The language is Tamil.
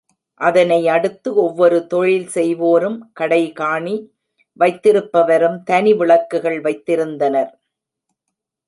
அதனை அடுத்து ஒவ்வொரு தொழில் செய்வோரும், கடைகாணி வைத்திருப்பவரும் தனிவிளக்குகள் வைத்திருந்தனர்.